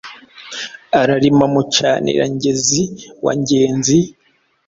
Ararima Mucanira-ngezi wa Ngenzi,